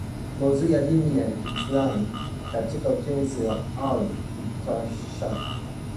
maudhui ya dini ya Kiislamu katika Utenzi wa Al-Inkishafi